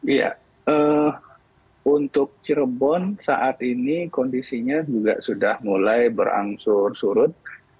iya untuk cirebon saat ini kondisinya juga sudah mulai berangsur surut